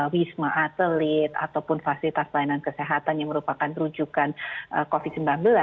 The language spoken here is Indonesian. wisma atlet ataupun fasilitas pelayanan kesehatan yang merupakan rujukan covid sembilan belas